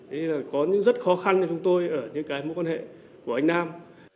thế là có những rất khó khăn cho chúng tôi ở những cái mối quan hệ của anh nam